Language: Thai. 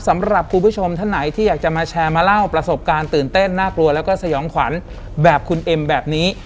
สำหรับคุณผู้ชมท่านไหนที่อยากจะมาแชร์มาเล่าประสบการณ์ตื่นเต้นน่ากลัวแล้วก็สยองขวัญแบบคุณเอ็มแบบนี้